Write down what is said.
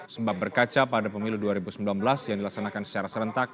sebab berkaca pada pemilu dua ribu sembilan belas yang dilaksanakan secara serentak